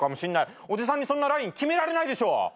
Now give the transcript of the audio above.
おじさんにそんなライン決められないでしょ！？